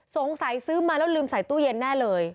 ซื้อมาแล้วลืมใส่ตู้เย็นแน่เลย